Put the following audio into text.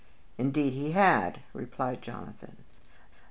"Indeed he had," replied Jonathan.